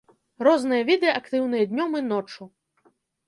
Розныя віды актыўныя днём і ноччу.